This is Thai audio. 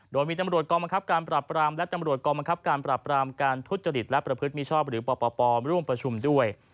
โดยมีตำรวจกองบังคับการปรับปรามและตำรวจกองบังคับการปรับรามการทุจริตและประพฤติมิชอบหรือปปร่วมประชุมด้วย